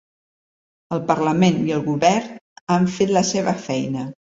El parlament i el govern han fet la seva feina.